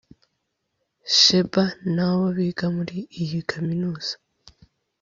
Shebah na bo biga muri iyi Kaminuza